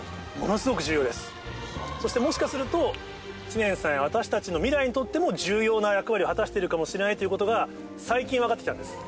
そしてもしかすると知念さんや私たちの。を果たしているかもしれないということが最近分かってきたんです。